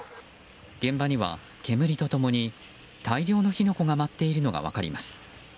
現場には煙と共に大量の火の粉が舞っているのが分かります。